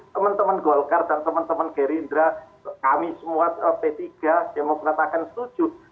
teman teman golkar dan teman teman gerindra kami semua p tiga demokrat akan setuju